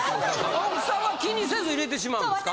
奥さんは気にせず入れてしまうんですか？